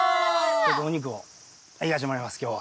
お肉をいかせてもらいます今日は。